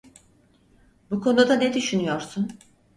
Bu konuda ne düşünüyorsun?